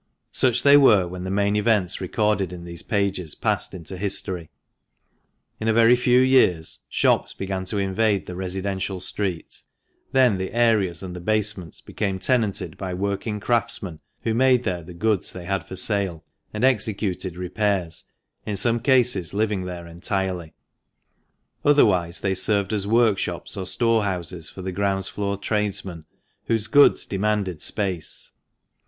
Such they were when the main events recorded in these pages passed into history. In a very few years shops began to invade the residential street ; then the areas and the basements became tenanted by working craftsmen, who made there the goods they had for sah, and executed repairs, in some cases living there entirely ; otherwise they served as workshops or storehouses for the ground floor tradesmen whose goods demanded space.